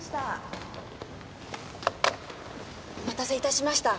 お待たせいたしました。